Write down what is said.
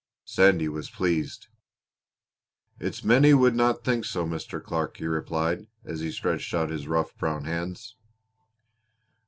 Sandy was pleased. "It's many would not think so, Mr. Clark," he replied, as he stretched out his rough, brown hands.